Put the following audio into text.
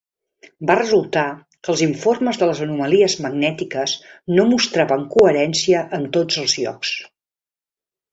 Va resultar que els informes de les anomalies magnètiques no mostraven coherència en tots els llocs.